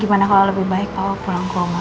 gimana kalau lebih baik kamu pulang ke rumah